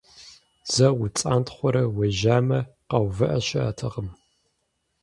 Зэ уцӀантхъуэрэ уежьамэ, къэувыӀэ щыӀэтэкъым.